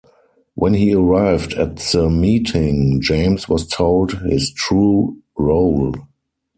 When he arrived at the meeting, James was told his true role.